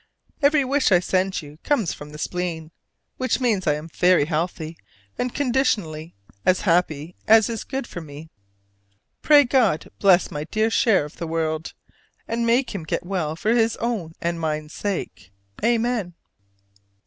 Every wish I send you comes "from the spleen," which means I am very healthy, and, conditionally, as happy as is good for me. Pray God bless my dear Share of the world, and make him get well for his own and my sake! Amen.